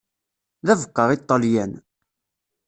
D abeqqa i Ṭalyan.